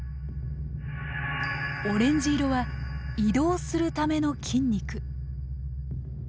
オレンジ色は移動するための筋肉。